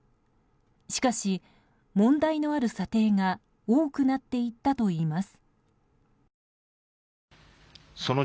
しかし、問題のある査定が多くなっていったといいます。